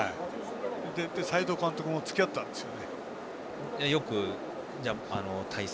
斉藤監督もつきあったんですよ。